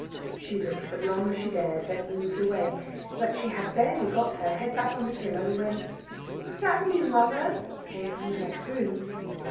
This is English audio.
She looked as long as she dared, then moved away. But she had barely got her head back on her pillow when "Was that you, mother?" came from the next room.